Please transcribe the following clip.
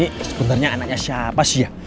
sebenarnya anaknya siapa sih ya